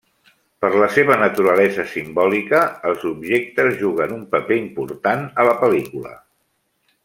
Per la seva naturalesa simbòlica, els objectes juguen un paper important a la pel·lícula.